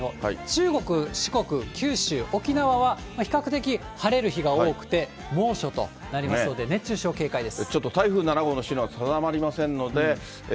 中国、四国、九州、沖縄は、比較的晴れる日が多くて、猛暑となりますので、熱中症、警戒です。